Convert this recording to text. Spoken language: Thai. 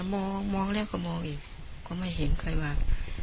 มองมองแล้วก็มองอีกก็ไม่เห็นใครมา